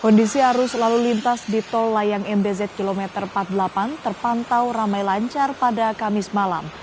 kondisi arus lalu lintas di tol layang mbz kilometer empat puluh delapan terpantau ramai lancar pada kamis malam